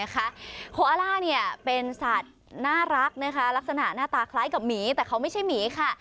โคล่าเป็นสัตว์น่ารักนะคะลักษณะหน้าตาคล้ายกับหมีแต่เขาไม่ใช่หมีค่ะ